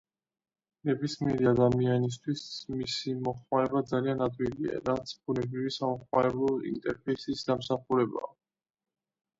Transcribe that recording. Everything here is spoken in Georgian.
ნებისმიერი ადამიანისთვის მისი მოხმარება ძალიან ადვილია, რაც ბუნებრივი სამომხმარებლო ინტერფეისის დამსახურებაა.